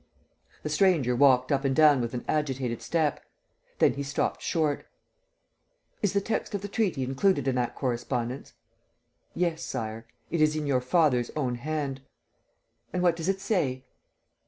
The stranger walked up and down with an agitated step. Then he stopped short: "Is the text of the treaty included in that correspondence?" "Yes, Sire. It is in your father's own hand." "And what does it say?"